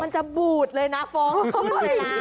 จะบูดเลยนะฟ้องขึ้นเลยนะ